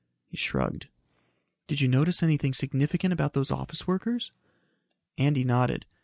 He shrugged. "Did you notice anything significant about those office workers?" Andy nodded.